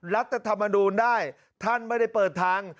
รัฐธรรมนูลได้ท่านไม่ได้เปิดทาง